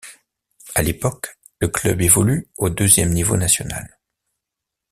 À l'époque, le club évolue au deuxième niveau national.